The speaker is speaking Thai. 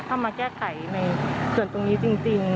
มาแก้ไขในส่วนตรงนี้จริง